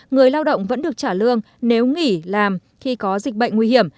người lao động vẫn được trả lương nếu nghỉ làm khi có dịch bệnh nguy hiểm